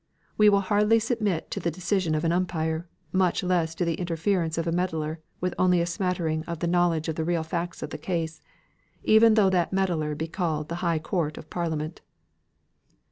We will hardly submit to the decision of an umpire, much less to the interference of a meddler with only a smattering of the knowledge of the real facts of the case, even though that meddler be called the High Court of Parliament."